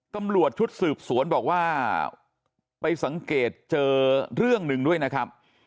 ตำรวจชุดสืบสวนบอกว่าไปสังเกตเจอเรื่องหนึ่งด้วยนะครับ